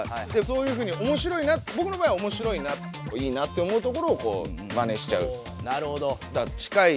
そういうふうにおもしろいなぼくの場合はおもしろいないいなって思うところをマネしちゃう。